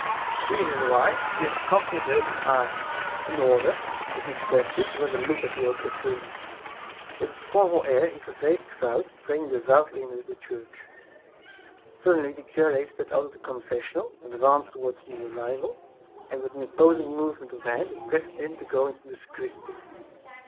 To please his wife he had accompanied her to Ars, in order, as he expressed it, to have a look at "the old buffoon." With a scornful air he surveyed the crowd praying devoutly in the little church. Suddenly the cure stepped out of the confessional, advanced towards the new arrival, and, with an imposing movement of the hand, requested him to go into the sacristy.